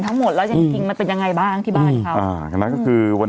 ทั้งหมดแล้วจริงมันเป็นยังไงบ้างที่บ้าน